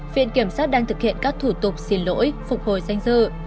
viện kiểm sát đang thực hiện các thủ tục xin lỗi phục hồi danh dự